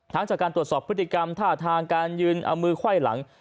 จากการตรวจสอบพฤติกรรมท่าทางการยืนเอามือไขว้หลัง